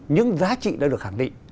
những giá trị đã được khẳng định